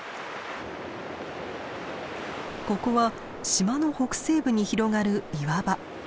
ここは島の北西部に広がる岩場。